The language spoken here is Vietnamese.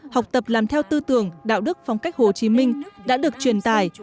học tập làm theo tư tưởng đạo đức phong cách hồ chí minh đã được truyền tài